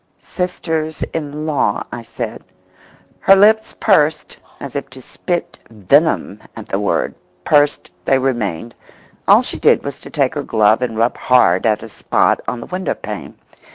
"Sisters in law," I said—Her lips pursed as if to spit venom at the word; pursed they remained. All she did was to take her glove and rub hard at a spot on the window pane.